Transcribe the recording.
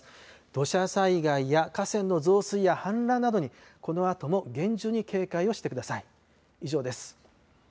土砂災害や河川の増水や氾濫などにこのあとも厳重に警戒をしてください。